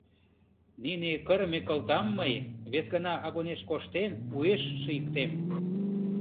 Нине кырыме кылтам мый, вес гана агунеш коштен, уэш шийыктем.